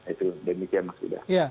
itu demikian mas sudah